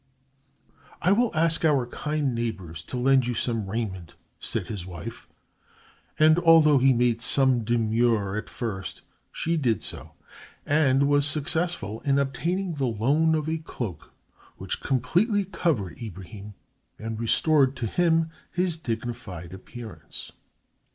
"I will ask our kind neighbors to lend you some raiment," said his wife, and although he made some demur at first, she did so and was successful in obtaining the loan of a cloak which completely covered Ibrahim and restored to him his dignified appearance.